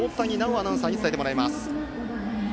アナウンサーに伝えてもらいます。